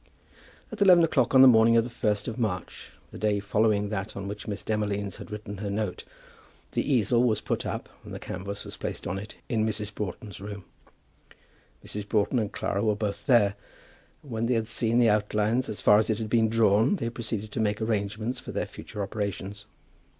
At eleven o'clock on the morning of the 1st of March, the day following that on which Miss Demolines had written her note, the easel was put up and the canvas was placed on it in Mrs. Broughton's room. Mrs. Broughton and Clara were both there, and when they had seen the outlines as far as it had been drawn, they proceeded to make arrangements for their future operations.